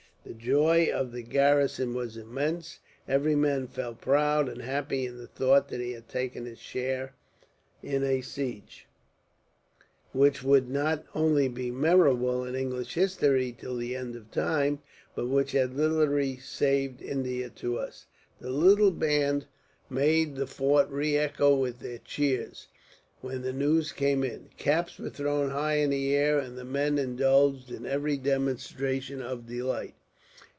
The joy of the garrison was immense. Every man felt proud, and happy in the thought that he had taken his share in a siege, which would not only be memorable in English history till the end of time, but which had literally saved India to us. The little band made the fort re echo with their cheers, when the news came in. Caps were thrown high in the air, and the men indulged in every demonstration of delight.